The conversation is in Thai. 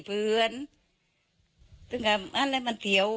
โปรดติดตามต่อไป